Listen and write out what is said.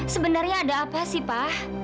sebenarnya ada apa sih pak